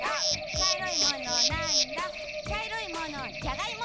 「ちゃいろいものなんだ？」